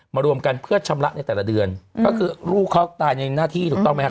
รวมกันเพื่อชำระในแต่ละเดือนก็คือลูกเขาตายในหน้าที่ถูกต้องไหมครับ